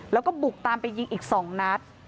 แล้วก็บุกตามไปยิงอีก๒นัด